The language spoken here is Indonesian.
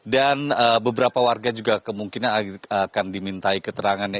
dan beberapa warga juga kemungkinan akan dimintai keterangannya